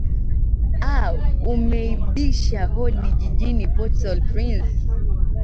a umebisha hodi jijini portal prince